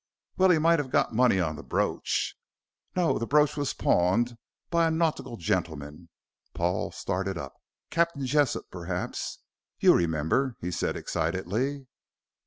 "Well, he might have got money on the brooch." "No. The brooch was pawned by a nautical gentleman." Paul started up. "Captain Jessop, perhaps. You remember?" he said excitedly.